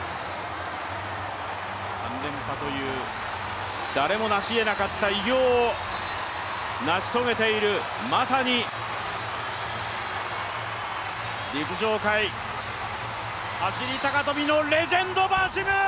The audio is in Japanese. ３連覇という誰もなしえなかった偉業を成し遂げている、まさに陸上界、走高跳のレジェンドバーシム！